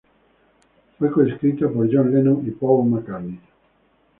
Fue co-escrita por John Lennon y Paul McCartney.